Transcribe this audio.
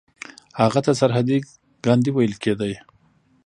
هغه ته سرحدي ګاندي ویل کیده.